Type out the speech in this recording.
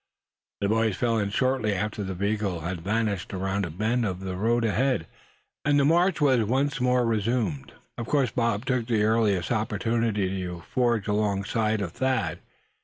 The boys fell in shortly after the vehicle had vanished around a bend of the road ahead; and the march was once more resumed. Of course Bob took the earliest opportunity to forge alongside of Thad.